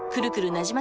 なじま